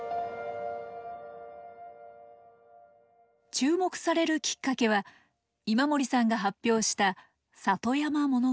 注目されるきっかけは今森さんが発表した「里山物語」。